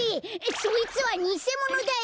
そいつはにせものだよ！